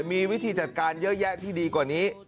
มีวิธีจัดการเยอะแยะที่ดีกว่านี้